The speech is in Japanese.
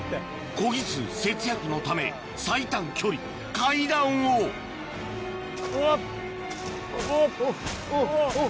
コギ数節約のため最短距離階段をうわおっおっ。